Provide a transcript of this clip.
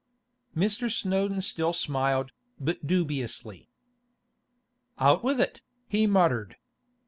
Mr. Snowdon still smiled, but dubiously. 'Out with it!' he muttered.